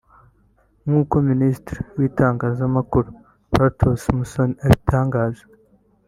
nk’uko Minisitiri w’itangazamakuru Protais Musoni abitangaza